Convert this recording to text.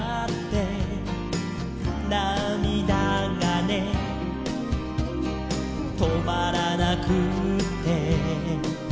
「なみだがねとまらなくって」